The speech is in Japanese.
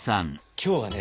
今日はね